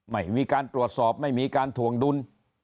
ไม่มีการตรวจสอบไม่มีการถวงดุล